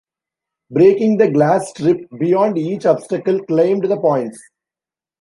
Breaking the glass strip beyond each obstacle claimed the points.